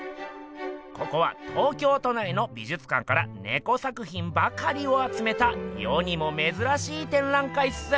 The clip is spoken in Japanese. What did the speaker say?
ここは東京都内の美術館からネコ作品ばかりをあつめた世にもめずらしい展覧会っす。